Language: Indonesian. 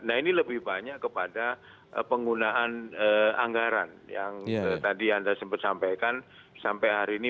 nah ini lebih banyak kepada penggunaan anggaran yang tadi anda sempat sampaikan sampai hari ini